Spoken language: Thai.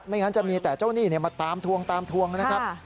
ไม่งั้นจะมีแต่เจ้าหนี้มาตามทวงนะครับ